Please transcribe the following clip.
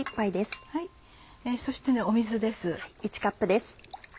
そして水です。